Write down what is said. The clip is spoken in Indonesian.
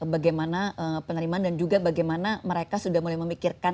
bagaimana penerimaan dan juga bagaimana mereka sudah mulai memikirkan